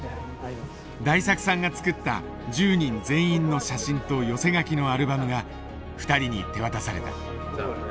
大作さんが作った１０人全員の写真と寄せ書きのアルバムが２人に手渡された。